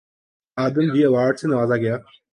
آدم جی award سے نوازا گیا